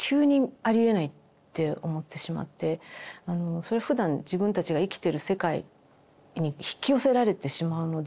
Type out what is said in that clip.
それはふだん自分たちが生きてる世界に引き寄せられてしまうので。